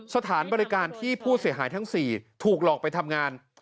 สถานบริการที่ผู้เสียหายทั้ง๔ถูกหลอกไปทำงาน